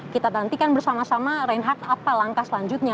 kita nantikan bersama sama reinhardt apa langkah selanjutnya